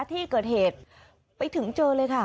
ที่เกิดเหตุไปถึงเจอเลยค่ะ